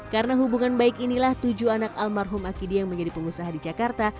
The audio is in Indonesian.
karena hubungan baik inilah tujuh anak almarhum akidi yang menjadi pengusaha di jakarta